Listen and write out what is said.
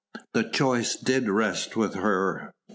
The choice did rest with her.